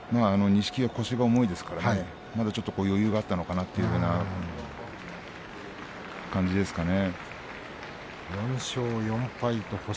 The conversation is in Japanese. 錦木は腰が重いですからまだ余裕があったのかなという感じですかね。